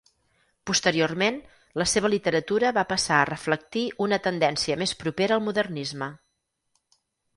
Posteriorment, la seva literatura va passar a reflectir una tendència més propera al modernisme.